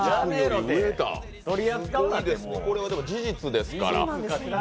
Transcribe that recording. でも、これは事実ですから。